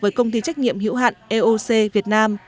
với công ty trách nhiệm hữu hạn eoc việt nam